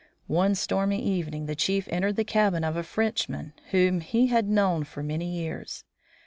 One stormy evening the chief entered the cabin of a Frenchman whom he had known for many years.